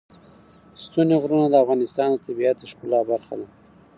ستوني غرونه د افغانستان د طبیعت د ښکلا برخه ده.